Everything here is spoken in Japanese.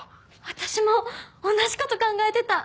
私も同じ事考えてた！